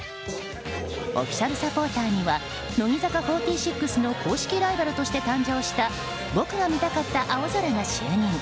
オフィシャルサポーターには乃木坂４６の公式ライバルとして誕生した僕が見たかった青空が就任。